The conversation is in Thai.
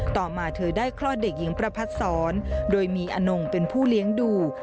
ต่อมาเธอได้คลอดเด็กหญิงประพัดศรโดยมีอนงเป็นผู้เลี้ยงดู